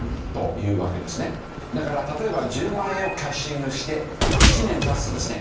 だから例えば１０万円をキャッシングして１年経つとですね